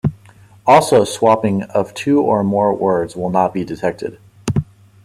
Also swapping of two or more words will not be detected.